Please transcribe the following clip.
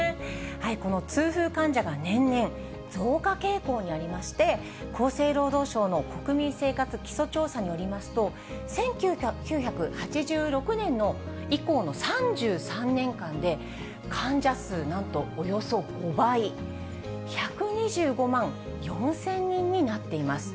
この痛風患者が年々増加傾向にありまして、厚生労働省の国民生活基礎調査によりますと、１９８６年以降の３３年間で患者数なんとおよそ５倍、１２５万４０００人になっています。